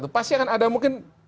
pasti akan ada mungkin